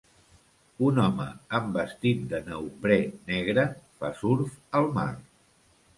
Un home amb vestit de neoprè negre fa surf al mar.